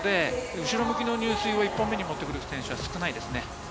後ろ向きの入水を１本目に持ってくる選手は少ないですね。